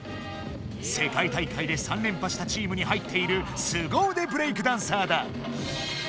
せかい大会で３れんぱしたチームに入っているすごうでブレイクダンサーだ。